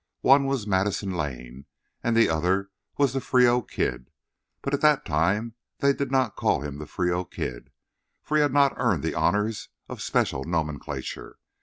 One was Madison Lane, and the other was the Frio Kid. But at that time they did not call him the Frio Kid, for he had not earned the honours of special nomenclature.